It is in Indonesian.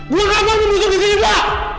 gue gak mau membosok disini pak